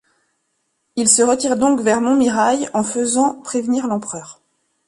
Il se retire donc vers Montmirail en faisant prévenir l'Empereur.